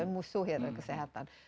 musuh ya dari kesehatan